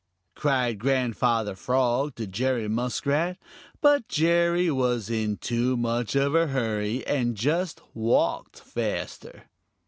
cried Grandfather Frog to Jerry Muskrat, but Jerry was in too much of a hurry and just walked faster.